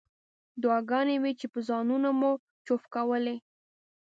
دعاګانې وې چې په ځانونو مو چوف کولې.